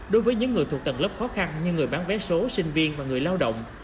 đối với những người thuộc tầng lớp khó khăn như người bán vé số sinh viên và người lao động